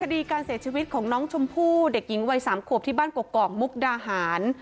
คดีการเสียชีวิตของน้องชมพู่เด็กหญิงวัย๓ขวบที่บ้านกอกมุกดาหาร